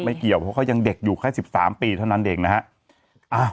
เกี่ยวเพราะเขายังเด็กอยู่แค่๑๓ปีเท่านั้นเองนะฮะ